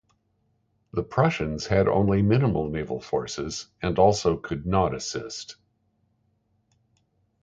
The Prussians had only minimal naval forces and also could not assist.